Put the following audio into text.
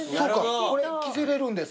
これ着せれるんですか？